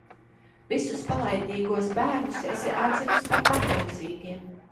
Visus palaidnīgos bērnus esi atzinis par paklausīgiem!